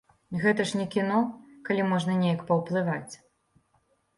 Гэта ж не кіно, калі можна неяк паўплываць.